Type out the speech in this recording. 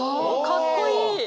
かっこいい！